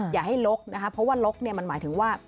อย่าให้ลกเพราะว่าลกมันหมายถึงว่า